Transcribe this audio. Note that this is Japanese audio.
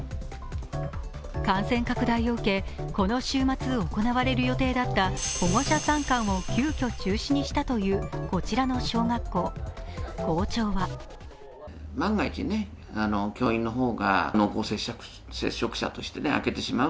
感染拡大を受けこの週末行われる予定だった保護者参観を急きょ中止にしたというこちらの小学校、校長は一方、こんな意見も。